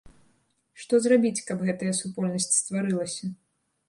Што зрабіць, каб гэтая супольнасць стварылася?